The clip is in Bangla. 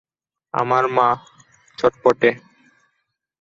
আমার মা চটপটে।